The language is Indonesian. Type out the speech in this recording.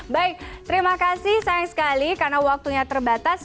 baik terima kasih sayang sekali karena waktunya terbatas